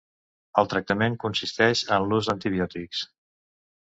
El tractament consisteix en l'ús d'antibiòtics.